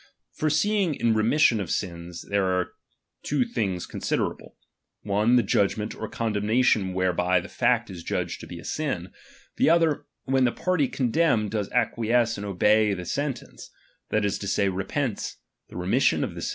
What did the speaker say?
For seeing in remission of sins there ^H are two things considerable ; one, the Jmfgment or ^m condemnation whereby the fact is judged to be a ^B sin ; the other, when the party condemned does ^M acquiesce and obey the sentence, that is to say, re ^1 pents, the remission of the si?